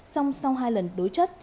xong sau hai lần đối chất